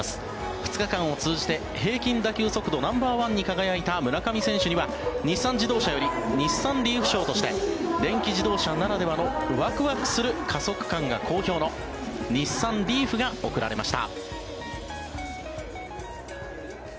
２日間を通じて平均打球速度ナンバーワンに輝いた村上選手には日産自動車より日産リーフ賞として電気自動車ならではのワクワクする加速感が好評の日産リーフが贈られました。